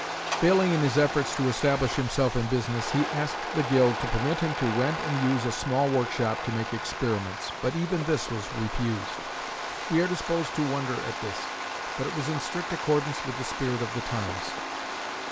Failing in his efforts to establish himself in business, he asked the guild to permit him to rent and use a small workshop to make experiments, but even this was refused. We are disposed to wonder at this, but it was in strict accordance with the spirit of the times.